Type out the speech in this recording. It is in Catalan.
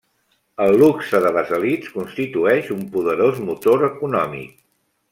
El luxe de les elits constitueix un poderós motor econòmic.